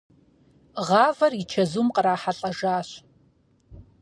Гъавэр и чэзум кърахьэлӀэжащ.